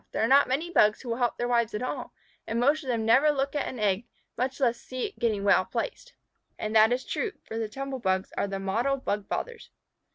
"There are not many Bugs who will help their wives at all, and most of them never look at an egg, much less see to getting it well placed." And that is true, for the Tumble bugs are the model Bug fathers.